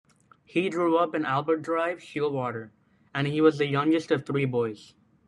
He grew up on Albert Drive, Sheerwater and was the youngest of three boys.